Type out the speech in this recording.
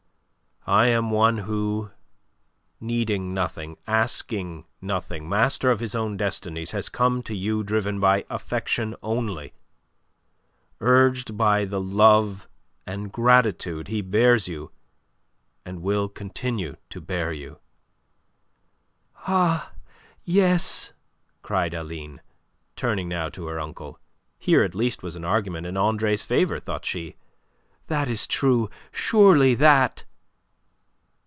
I am one who, needing nothing, asking nothing, master of his own destinies, has come to you driven by affection only, urged by the love and gratitude he bears you and will continue to bear you." "Ah, yes!" cried Aline, turning now to her uncle. Here at least was an argument in Andre's favour, thought she. "That is true. Surely that..."